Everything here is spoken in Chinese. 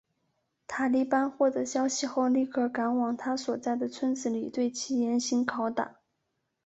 塔利班获得消息后立刻赶往他所在的村子里对其严刑拷打。